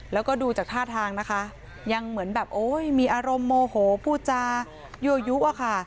แล้วก็ดูจากท่าทางนะคะยังเหมือนแบบโอ้ยมีอารมณ์โมโหพูดจายั่วยุอะค่ะ